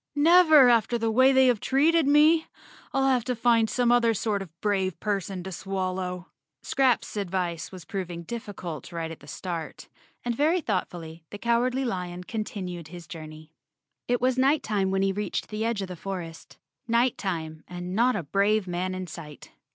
"Never after the way they have treated me. I'll have to find some other sort of brave person to swal¬ low." Scraps' advice was proving difficult right at the start, and very thoughtfully the Cowardly Lion con¬ tinued his journey. It was night time when he reached the edge of the forest—night time and not a brave man in sight.